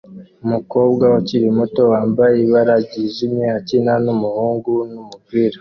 Umukobwa ukiri muto wambaye ibara ryijimye akina numuhungu numupira